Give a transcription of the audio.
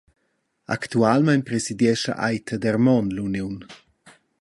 Actualmein presidiescha Aita Dermon l’uniun.